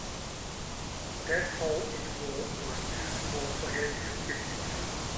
That hole in the wall was too small for him to fit through.